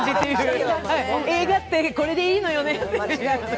映画って、これでいいのよねっていう。